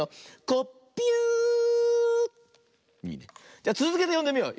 じゃつづけてよんでみよう。